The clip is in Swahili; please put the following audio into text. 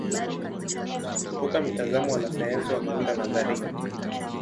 Kutoka mitazamo wanasayansi wanaunda nadharia.